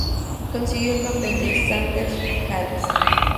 Consiguió el papel de Xander Harris.